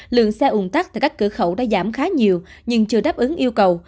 lượng xe ủn tắc tại các cửa khẩu đã giảm khá nhiều nhưng chưa đáp ứng yêu cầu